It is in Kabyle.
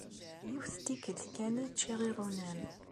Yiwet n tikkelt kan i ččiɣ iɣunam.